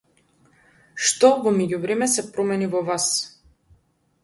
Што во меѓувреме се промени во вас?